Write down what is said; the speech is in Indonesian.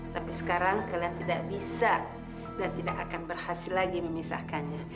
tapi sekarang kalian tidak bisa dan tidak akan berhasil lagi memisahkannya